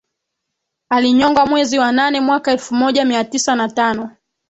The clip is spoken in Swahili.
Alinyongwa mwezi wa nane mwaka elfu moja mia tisa na tano